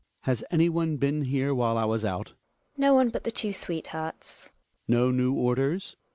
Has anyone been here while I was out? Gina. No one but the two sweethearts. Hjalmar. No new orders